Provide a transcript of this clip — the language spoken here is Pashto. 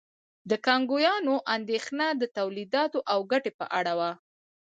د کانګویانو اندېښنه د تولیداتو او ګټې په اړه وه.